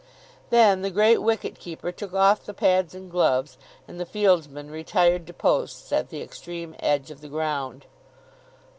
Then the great wicket keeper took off the pads and gloves, and the fieldsmen retired to posts at the extreme edge of the ground.